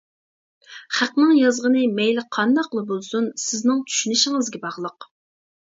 خەقنىڭ يازغىنى مەيلى قانداقلا بولسۇن سىزنىڭ چۈشىنىشىڭىزگە باغلىق!